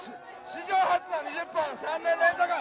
史上初の２０本、３年連続。